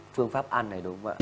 phương pháp ăn này đúng không ạ